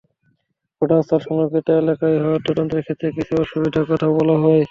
ঘটনাস্থল সংরক্ষিত এলাকায় হওয়ায় তদন্তের ক্ষেত্রে কিছু অসুবিধার কথাও বলা হয়।